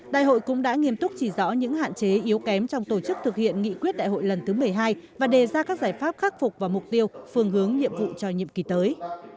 đại hội cũng đã nghiêm túc chỉ rõ những hạn chế yếu kém trong tổ chức thực hiện nghị quyết đại hội lần thứ một mươi hai và đề ra các giải pháp khắc phục vào mục tiêu phương hướng nhiệm vụ cho nhiệm kỳ tới